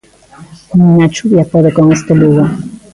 Nin a chuvia pode con este Lugo.